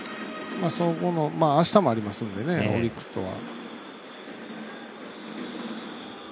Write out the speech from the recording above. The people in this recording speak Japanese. あしたもありますのでオリックスとは。